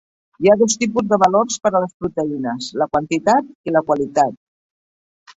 Hi ha dos tipus de valors per a les proteïnes: la quantitat i la qualitat.